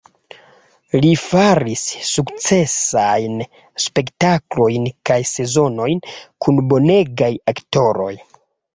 Li faris sukcesajn spektaklojn kaj sezonojn kun bonegaj aktoroj.